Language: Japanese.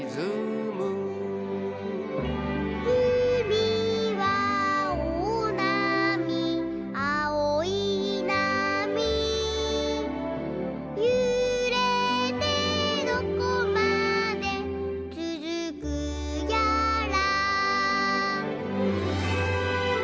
「うみはおおなみあおいなみ」「ゆれてどこまでつづくやら」